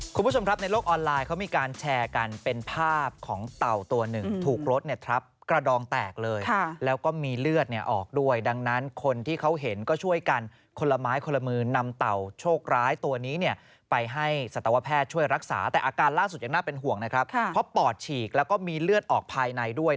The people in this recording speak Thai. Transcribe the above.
คุณผู้ชมครับในโลกออนไลน์เขามีการแชร์กันเป็นภาพของเต่าตัวหนึ่งถูกรถเนี่ยทับกระดองแตกเลยแล้วก็มีเลือดเนี่ยออกด้วยดังนั้นคนที่เขาเห็นก็ช่วยกันคนละไม้คนละมือนำเต่าโชคร้ายตัวนี้เนี่ยไปให้สัตวแพทย์ช่วยรักษาแต่อาการล่าสุดยังน่าเป็นห่วงนะครับเพราะปอดฉีกแล้วก็มีเลือดออกภายในด้วย